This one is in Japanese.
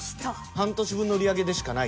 半年分の売り上げでしかない。